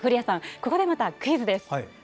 ここでまたクイズです。